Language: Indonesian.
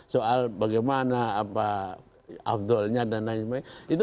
soal bagaimana apa abdulnya dan lain sebagainya